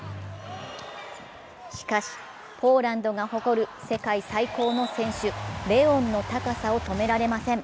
しかし、ポーランドが誇る世界最高の選手・レオンの高さを止められません。